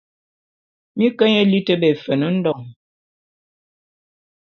Mi ke nye liti be Efen-Ndon.